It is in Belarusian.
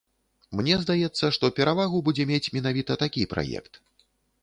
Мне здаецца, што перавагу будзе мець менавіта такі праект.